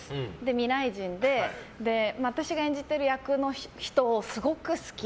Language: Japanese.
未来人で、私が演じてる役の人をすごく好き。